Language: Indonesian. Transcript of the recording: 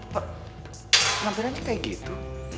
penampilannya kayak gitu